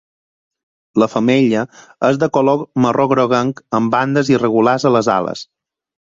La femella és de color marró groguenc amb bandes irregulars a les ales.